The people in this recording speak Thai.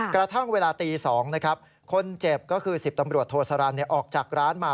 กระทั่งเวลาตี๒นะครับคนเจ็บก็คือ๑๐ตำรวจโทสรรออกจากร้านมา